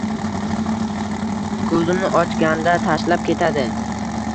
Ko’zimni ochganda tashlab ketadi